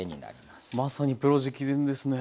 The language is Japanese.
まさにプロ直伝ですね。